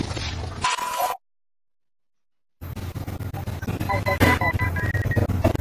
kidato cha sita Hussein alisoma secondary Tambaza Dar es salaam